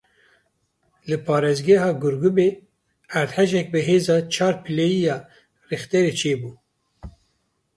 Li parêzgeha Gurgumê erdhejek bi hêza çar pileyî ya rîxterê çê bû.